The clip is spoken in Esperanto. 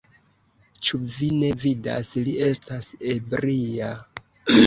Ĉu vi ne vidas, li estas ebria.